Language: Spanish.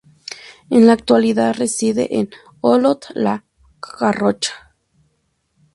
En la actualidad, reside en Olot, La Garrocha.